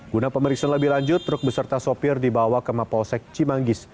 guna pemeriksaan lebih lanjut truk beserta sopir dibawa ke mapolsek cimanggis